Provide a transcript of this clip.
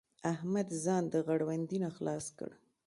احمد ځان د غړوندي نه خلاص کړ.